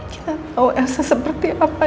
kita tahu elsa seperti apa